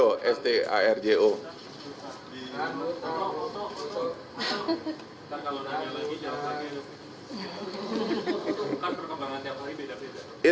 bukan perkembangan tiap hari beda beda